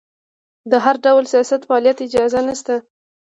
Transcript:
د هر ډول سیاسي فعالیت اجازه نشته.